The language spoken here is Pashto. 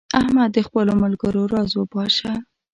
احمد د خپلو ملګرو راز وپاشه.